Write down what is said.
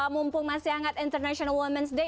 mumpung masih hangat international women's day